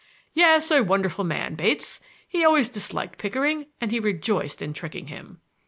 "Yes, a wonderful man, Bates. He always disliked Pickering, and he rejoiced in tricking him."